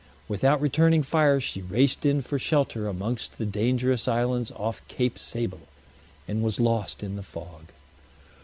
Without returning fire, she raced in for shelter amongst the dangerous islands off Cape Sable, and was lost in the fog.